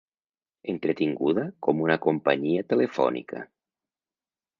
Entretinguda com una companyia telefònica.